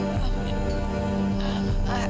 kamu akan belum mendapat masalah